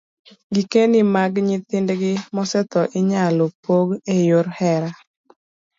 Gikeni mag nyithindgi mosetho inyalo pog e yor hera